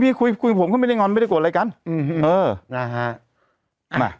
ไม่มีคุยกับผมก็ไม่ได้งอนไม่ได้โกรธอะไรกันเออนะฮะน่ะ